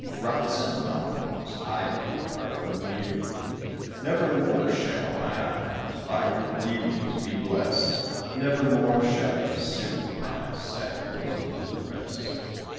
Rocks and mountains, I depart from you; Nevermore shall my eyes By your beauties be blest, Nevermore shall you soothe My sad bosom to rest.